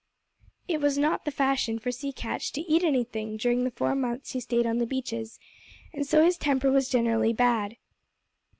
It was not the fashion for Sea Catch to eat anything during the four months he stayed on the beaches, and so his temper was generally bad.